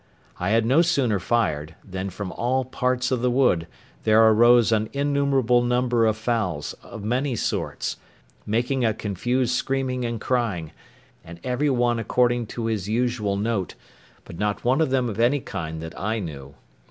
I had no sooner fired, than from all parts of the wood there arose an innumerable number of fowls, of many sorts, making a confused screaming and crying, and every one according to his usual note, but not one of them of any kind that I knew.